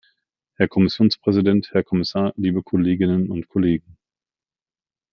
Herr Kommissionspräsident, Herr Kommissar, liebe Kolleginnen und Kollegen!